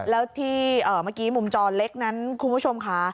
แล้วที่เมื่อกี้มุมจอเล็กนั้นคุณผู้ชมค่ะ